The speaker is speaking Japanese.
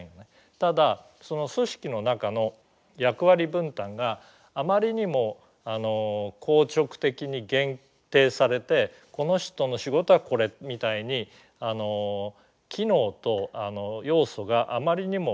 ただその組織の中の役割分担があまりにも硬直的に限定されて「この人の仕事はこれ」みたいに機能と要素があまりにも限定されている組織はですね